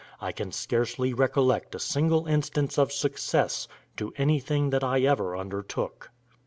I can scarcely recollect a single instance of success to anything that I ever undertook."